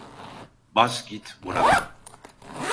Bas git buradan.